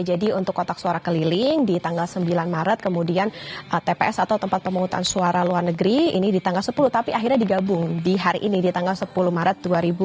jadi untuk kotak suara keliling di tanggal sembilan maret kemudian tps atau tempat pemungutan suara luar negeri ini di tanggal sepuluh tapi akhirnya digabung di hari ini di tanggal sepuluh maret dua ribu dua puluh empat